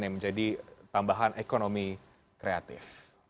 yang menjadi tambahan ekonomi kreatif